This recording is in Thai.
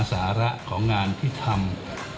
สาระของงานที่ทำ